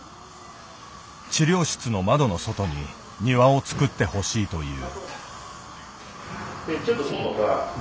治療室の窓の外に庭をつくってほしいという。